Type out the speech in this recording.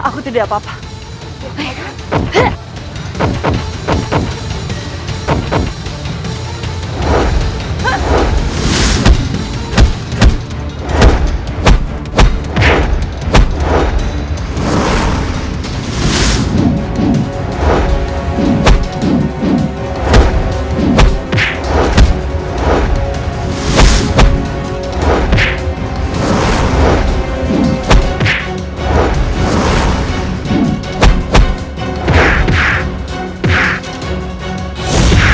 kusira itu tidak apa apa